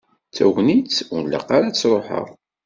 D tagnit ur nlaq ara ad tt-sruḥeɣ.